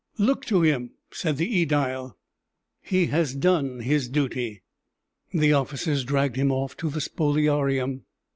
"Look to him," said the ædile; "he has done his duty!" The officers dragged him off to the spoliarium.